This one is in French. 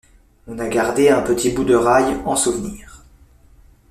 On a gardé un petit bout de rails en souvenir.